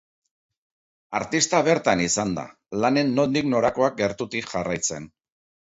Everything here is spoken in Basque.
Artista bertan izan da, lanen nondik norakoak gertutik jarraitzen.